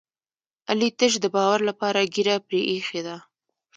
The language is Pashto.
علي تش د باور لپاره ږېره پرې ایښې ده.